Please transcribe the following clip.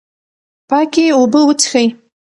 پاکې اوبه وڅښئ.